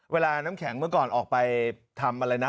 น้ำแข็งเมื่อก่อนออกไปทำอะไรนะ